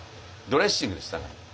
ドレッシングにしたの。